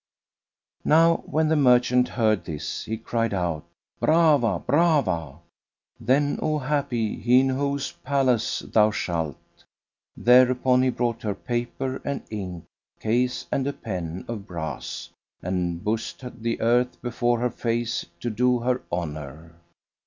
Now when the merchant heard this, he cried out "Brava! Brava![FN#258] Then O happy he in whose palace thou shalt! Thereupon he brought her paper and ink case and a pen of brass and bussed the earth before her face to do her honour.